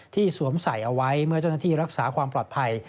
สวมใส่เอาไว้เมื่อเจ้าหน้าที่รักษาความปลอดภัย